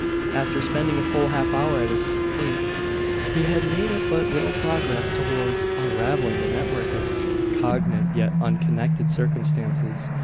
After spending a full half hour at his "think," he had made but little progress towards unravelling the network of cognate, yet unconnected, circumstances.